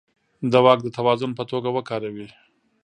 د واک د توازن په توګه وکاروي.